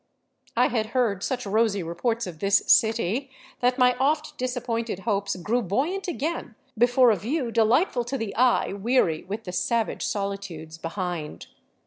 I had heard such rosy reports of this " city " that my oft disappointed hopes grew buoyant again before a view delightful to the eye weary with the savage solitudes behind.